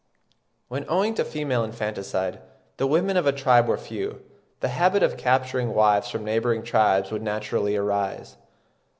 When, owing to female infanticide, the women of a tribe were few, the habit of capturing wives from neighbouring tribes would naturally arise.